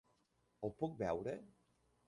El puc veure?